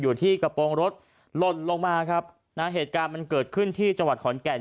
อยู่ที่กระโปรงรถหล่นลงมาครับนะเหตุการณ์มันเกิดขึ้นที่จังหวัดขอนแก่น